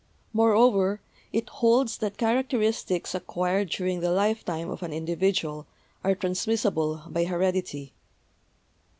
Moreover, it holds that characteristics acquired during the lifetime of an individual are transmissible by heredity.